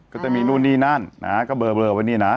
ก็จะมีสมุดดีนั้นน่ะก็เบลอว่านี่นะ